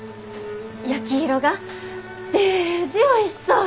焼き色がデージおいしそう。